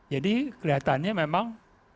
jadi kelihatannya memang